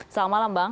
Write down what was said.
selamat malam bang